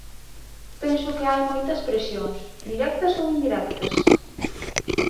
Penso que hai moitas presións, directas ou indirectas.